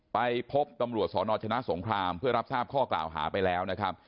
ไปพบตำรวจสนชนะสงครามเพื่อรับทราบข้อกล่าวหาไปแล้วนะครับ